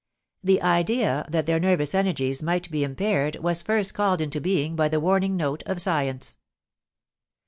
The idea that their nervous energies might be impaired was first called into being by the warning note of science.